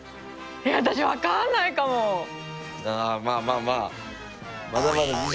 まあまあまあ。